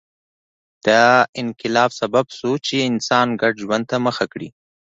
دا انقلاب سبب شو چې انسان ګډ ژوند ته مخه کړي